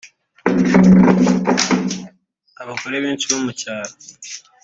Abagore benshi bo mu cyaro